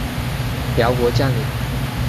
辽国将领。